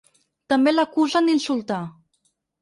També l’acusen d’insultar.